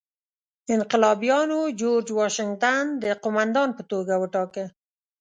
انقلابیانو جورج واشنګټن د قوماندان په توګه وټاکه.